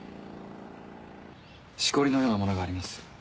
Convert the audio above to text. しこりのようなものがあります。